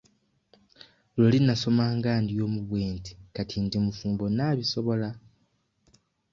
Luli nasoma nga ndi omu bwe nti kati ndi mufumbo naabisobola?